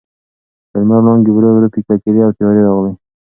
د لمر وړانګې ورو ورو پیکه کېدې او تیارې راغلې.